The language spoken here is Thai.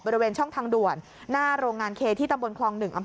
บริเวณช่องทางด่วนหน้าโรงงานเคที่ตำบลคลอง๑อำเภอ